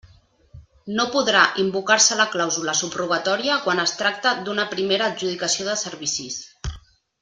No podrà invocar-se la clàusula subrogatòria quan es tracte d'una primera adjudicació de servicis.